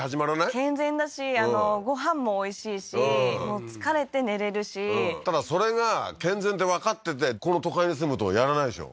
健全だしご飯もおいしいし疲れて寝れるしただそれが健全ってわかっててこの都会に住むとやらないでしょ？